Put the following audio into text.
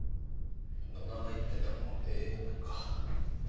野田が言ってたのはＡＭか。